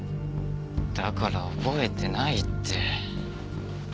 だから覚えてないって。